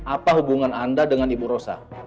apa hubungan anda dengan ibu rosa